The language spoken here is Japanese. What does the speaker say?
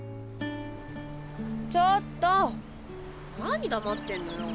ちょっと何黙ってんのよ。